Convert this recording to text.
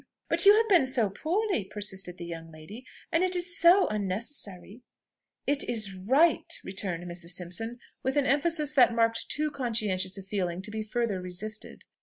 "But you have been so poorly!" persisted the young lady, "and it is so unnecessary!" "It is right," returned Mrs. Simpson with an emphasis that marked too conscientious a feeling to be further resisted.